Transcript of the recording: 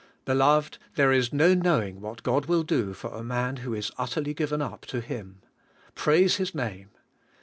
Beloved, there is no knowing what God will do for a man who is utterly given up to Him. Praise His name!